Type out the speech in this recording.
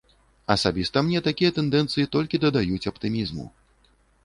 Асабіста мне такія тэндэнцыі толькі дадаюць аптымізму.